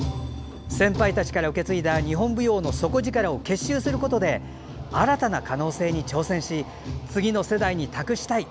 先輩たちから受け継いだ日本舞踊の底力を結集することで新たな可能性に挑戦し次の世代に託したい。